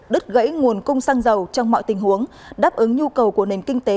đứt gãy nguồn cung xăng dầu trong mọi tình huống đáp ứng nhu cầu của nền kinh tế